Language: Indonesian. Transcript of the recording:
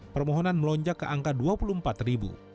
permohonan melonjak ke angka dua puluh empat ribu